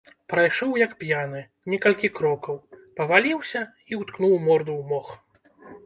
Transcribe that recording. Прайшоў, як п'яны, некалькі крокаў, паваліўся і ўткнуў морду ў мох.